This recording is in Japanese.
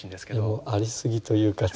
ありすぎというか。